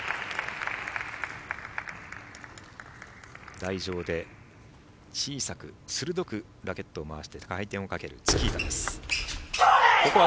台上で小さく鋭くラケットを回して回転をかけるチキータです。